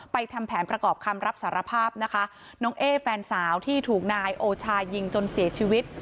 ทำแผนประกอบคำรับสารภาพนะคะน้องเอ๊แฟนสาวที่ถูกนายโอชายิงจนเสียชีวิต